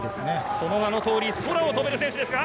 その名のとおり空を飛べる選手ですが。